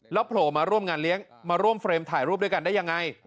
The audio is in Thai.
โผล่มาร่วมงานเลี้ยงมาร่วมเฟรมถ่ายรูปด้วยกันได้ยังไง